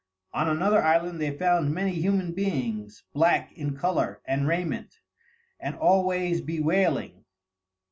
On another island they found many human beings, black in color and raiment, and always bewailing.